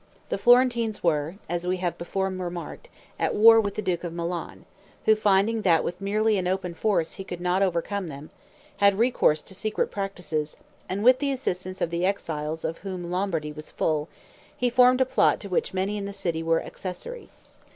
The Florentines were, as we have before remarked, at war with the duke of Milan, who, finding that with merely open force he could not overcome them, had recourse to secret practices, and with the assistance of the exiles of whom Lombardy was full, he formed a plot to which many in the city were accessory.